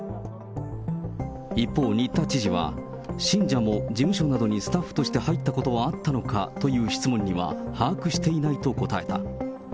一方、新田知事は、信者も事務所などにスタッフとして入ったことはあったのかという質問には、把握していないと答えた。